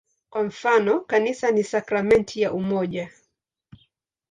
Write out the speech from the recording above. Kwa mfano, "Kanisa ni sakramenti ya umoja".